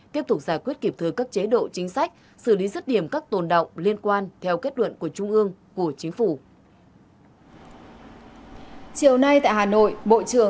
tiếp tục giải quyết kịp thời các chế độ chính sách xử lý rứt điểm các tồn động liên quan theo kết luận của trung ương của chính phủ